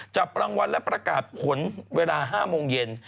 จับรางวัลและประกาศผลเวลา๕โมงเย็น